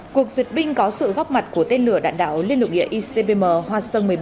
cuộc duyệt binh có sự góp mặt của tên lửa đạn đạo liên lục địa icbm hoa sơn một mươi bảy